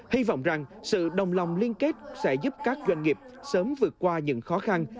hy vọng rằng sự đồng lòng liên kết sẽ giúp các doanh nghiệp sớm vượt qua những khó khăn